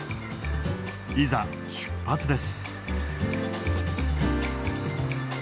いざ出発です。